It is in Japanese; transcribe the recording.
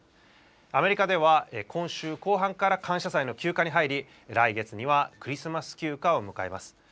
アメリカでは、今週後半から感謝祭の休暇に入り、来月にはクリスマス休暇を迎えます。